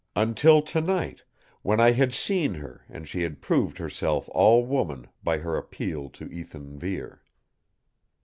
Until tonight, when I had seen her and she had proved herself all woman by her appeal to Ethan Vere.